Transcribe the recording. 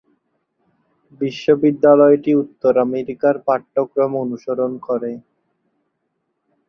বিশ্ববিদ্যালয়টি উত্তর আমেরিকার পাঠ্যক্রম অনুসরণ করে।